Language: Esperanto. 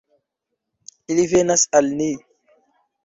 Ili venas al ni.